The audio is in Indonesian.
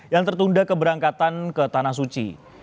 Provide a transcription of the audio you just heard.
yang tertunda keberangkatan ke tanah suci